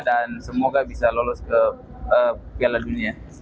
dan semoga bisa lolos ke piala dunia